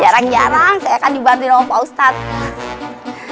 jarang jarang saya akan dibantu sama pak ustadz